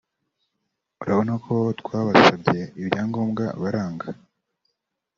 urabona ko twabasabye ibyangombwa baranga